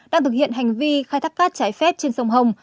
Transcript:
đang thực hiện hành vi khai thác cát trái phép trên sông hồng